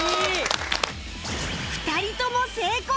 ２人とも成功！